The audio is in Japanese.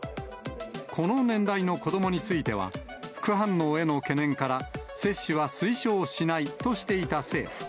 この年代の子どもについては、副反応への懸念から、接種は推奨しないとしていた政府。